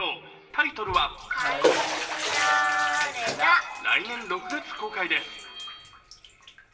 タイトルは来年６月公開です。